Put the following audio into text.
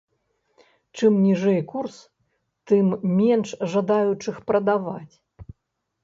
Чым ніжэй курс, тым менш жадаючых прадаваць.